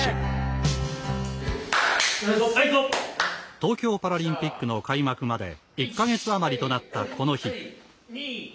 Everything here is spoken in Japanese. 東京パラリンピックの開幕まで１か月余りとなったこの日。